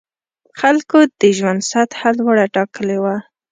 خلکو د ژوند سطح لوړه ټاکلې وه.